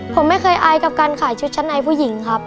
ผมไม่เคยอายกับการขายชุดชั้นในผู้หญิงครับ